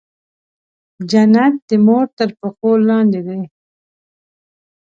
جنت د مور تر پښو لاندې دی.